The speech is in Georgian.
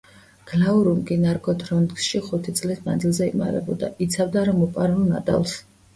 გლაურუნგი ნარგოთრონდში ხუთი წლის მანძილზე იმალებოდა, იცავდა რა მოპარულ ნადავლს.